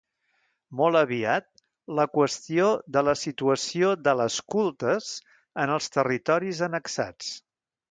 Molt aviat la qüestió de la situació de les cultes en els territoris annexats.